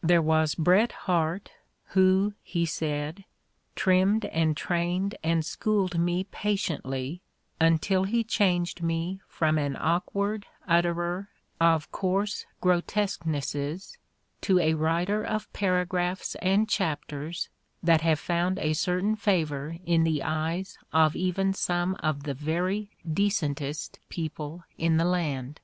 There was Bret Harte, who, he said, "trimmed and trained and schooled me patiently until he changed me from an awkward utterer of coarse grotesquenesses to a writer of paragraphs and chapters that have found a certain favor in the eyes of even some of the very deeentest people in the land."